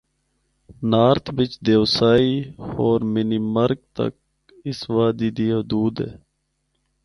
نارتھ بچ دیوسائی ہو منی مرگ تک اس وادی دی حدود ہے۔